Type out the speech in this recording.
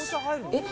えっ？